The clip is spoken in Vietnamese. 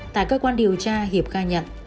tại cơ quan điều tra hiệp ca nhận